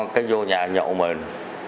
cái vô nhà nhậu mình